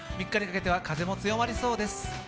３日にかけては風も強まりそうです